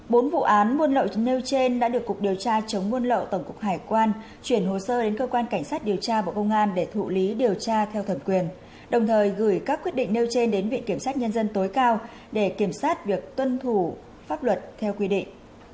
bốn vụ án muôn lậu nêu trên đã được cục điều tra chống muôn lậu tổng cục hải quan chuyển hồ sơ đến cơ quan cảnh sát điều tra theo thẩm quyền đồng thời gửi các quyết định nêu trên đến viện kiểm sát điều tra theo thẩm quyền